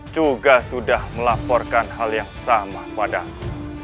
juga sudah melaporkan hal yang sama padaku